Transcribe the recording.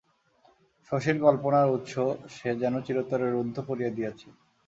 শশীর কল্পনার উৎস সে যেন চিরতরে রুদ্ধ করিয়া দিয়াছে।